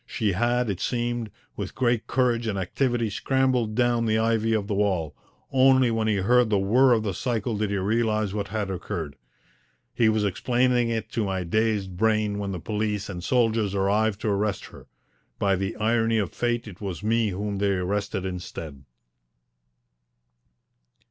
She had, it seemed, with great courage and activity scrambled down the ivy of the wall; only when he heard the whirr of the cycle did he realize what had occurred. He was explaining it to my dazed brain when the police and soldiers arrived to arrest her. By the irony of fate it was me whom they arrested instead.